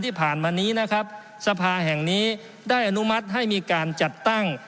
ที่ผ่านมานี้นะครับสภาแห่งนี้ได้อนุมัติให้มีการจัดตั้ง